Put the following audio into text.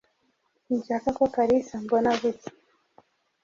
Sinshaka ko Kalisa ambona gutya.